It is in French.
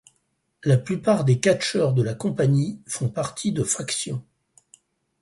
La plupart des catcheurs de la compagnie font partie de factions.